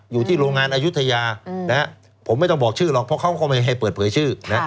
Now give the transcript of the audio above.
อยู่ที่โรงงานอายุทยาผมไม่ต้องบอกชื่อหรอกเพราะเขาก็ไม่ให้เปิดเผยชื่อ